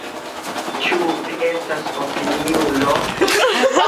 Ĉu vi estas opiniulo?